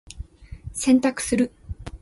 洗濯する。